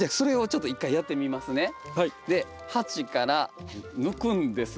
で鉢から抜くんですが。